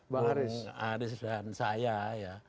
bang anies dan saya ya